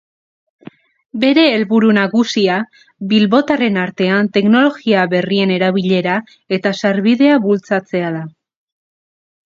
Bere helburu nagusia bilbotarren artean teknologia berrien erabilera eta sarbidea bultzatzea da.